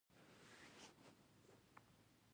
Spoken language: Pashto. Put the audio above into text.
دوی هند ته دال او لوبیا لیږي.